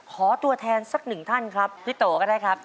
ขอตัวแทนสักหนึ่งท่านครับพี่โตก็ได้ครับ